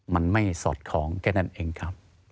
มันไม่สอดคล้องแค่นั้นเองครับ